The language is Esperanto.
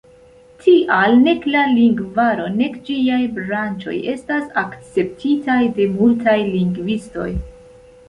Tial nek la lingvaro, nek ĝiaj branĉoj, estas akceptitaj de multaj lingvistoj.